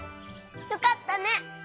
よかったね！